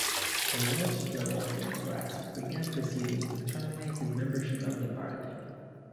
The Welsh Liberal Democrats began proceedings to terminate his membership of the party.